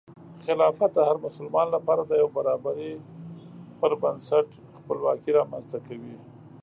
خلافت د هر مسلمان لپاره د یو برابري پر بنسټ خپلواکي رامنځته کوي.